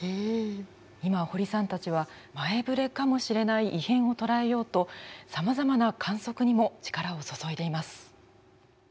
今堀さんたちは前ぶれかもしれない異変を捉えようとさまざまな観測にも力を注いでいます。